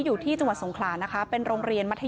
เชิงชู้สาวกับผอโรงเรียนคนนี้